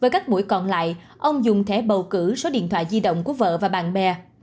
các mũi còn lại ông dùng thẻ bầu cử số điện thoại di động của vợ và bạn bè